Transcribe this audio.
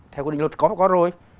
theo quy định luật có có rồi